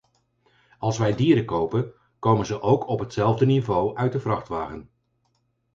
Als wij dieren kopen, komen ze ook op hetzelfde niveau uit de vrachtwagen.